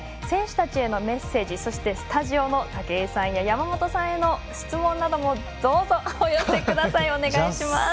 選手たちへのメッセージそしてスタジオの武井さんや山本さんへの質問などもどうぞ、お寄せください。